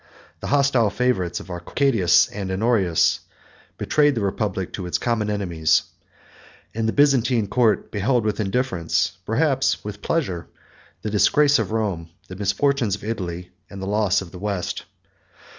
The hostile favorites of Arcadius and Honorius betrayed the republic to its common enemies; and the Byzantine court beheld with indifference, perhaps with pleasure, the disgrace of Rome, the misfortunes of Italy, and the loss of the West.